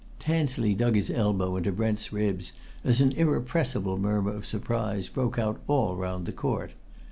Tansley dug his elbow into Brent's ribs as an irrepressible murmur of surprise broke out all round the court.